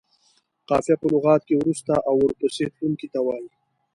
قافیه په لغت کې وروسته او ورپسې تلونکي ته وايي.